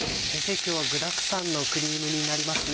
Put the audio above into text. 今日は具だくさんのクリーム煮になりますね。